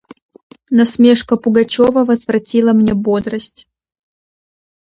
Насмешка Пугачева возвратила мне бодрость.